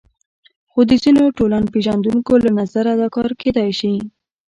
خو د ځینو ټولنپېژندونکو له نظره دا کار کېدای شي.